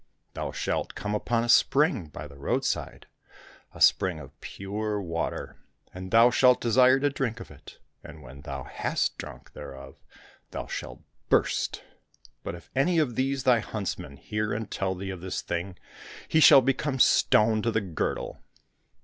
Thou shalt come upon a spring by the roadside, a spring of pure water, and thou shalt desire to drink of it, and when thou hast drunk thereof thou shalt burst. But if any of these thy huntsmen hear and tell thee of this thing, he shall become stone to the girdle."